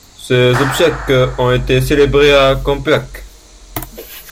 Ses obsèques ont été célébrées à Campuac.